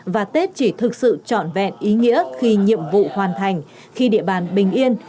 và tết chỉ thực sự trọn vẹn ý nghĩa khi nhiệm vụ hoàn thành khi địa bàn bình yên